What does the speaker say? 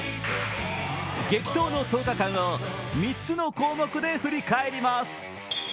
激闘の１０日間を３つの項目で振り返ります。